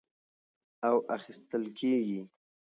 او اخىستل کېږي،